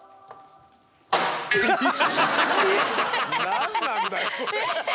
何なんだよ。